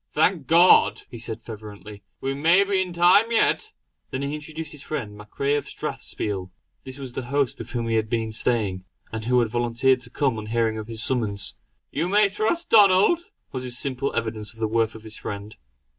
"Thank God!" he said fervently "we may be in time yet." Then he introduced his friend MacRae of Strathspiel. This was the host with whom he had been staying; and who had volunteered to come, on hearing of his summons: "You may trust Donald!" was his simple evidence of the worth of his friend.